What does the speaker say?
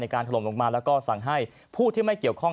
ในการทะลมลงมาแล้วก็สั่งให้พูดที่ไม่เขียวข้อง